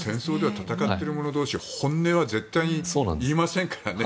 戦ってる者同士は本音は絶対に言いませんからね。